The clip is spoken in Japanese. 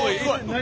何？